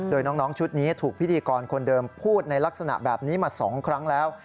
โดยน้องชุดนี้ถูกพิธีกรคนเดิมพูดในลักษณะแบบนี้มา๒ครั้งแล้ว